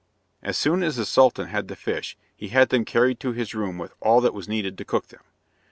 As soon as the Sultan had the fish he had them carried to his room with all that was needed to cook them.